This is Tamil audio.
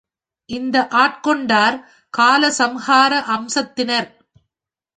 இந்த ஆட்கொண்டார் காலசம்ஹார அம்சத்தினர்.